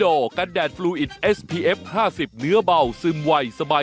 โอเคเดี๋ยวกลับมา